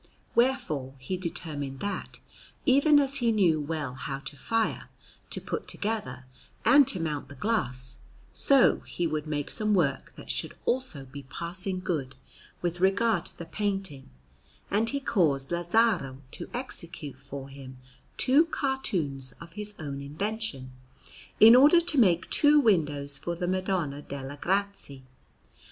Wherefore he determined that, even as he knew well how to fire, to put together, and to mount the glass, so he would make some work that should also be passing good with regard to the painting; and he caused Lazzaro to execute for him two cartoons of his own invention, in order to make two windows for the Madonna delle Grazie.